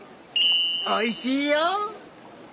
おいしいよ。